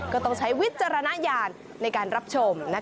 ก็ต้องใช้วิจารณญาณในการรับชม